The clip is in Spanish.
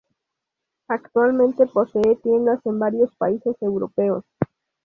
Actualmente posee tiendas en varios países europeos.